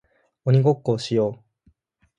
鬼ごっこをしよう